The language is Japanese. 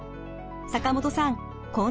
坂本さん